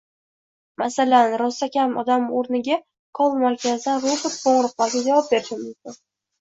Masalan, rostakam odam oʻrniga “call-markaz”dan robot qoʻngʻiroqlarga javob berishi mumkin.